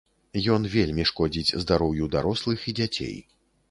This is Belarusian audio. Ён вельмі шкодзіць здароўю дарослых і дзяцей.